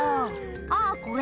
ああ、これ？